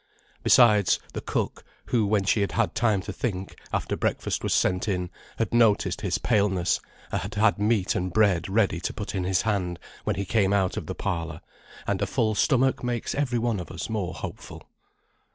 Besides, the cook, who, when she had had time to think, after breakfast was sent in, had noticed his paleness, had had meat and bread ready to put in his hand when he came out of the parlour; and a full stomach makes every one of us more hopeful.